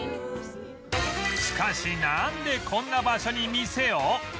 しかしなんでこんな場所に店を？